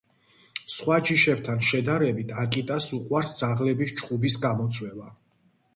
სხვა ჯიშებთან შედარებით აკიტას უყვარს ძაღლების ჩხუბის გამოწვევა.